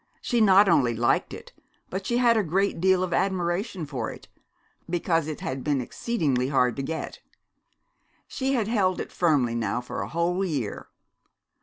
She not only liked it, but she had a great deal of admiration for it, because it had been exceedingly hard to get. She had held it firmly now for a whole year.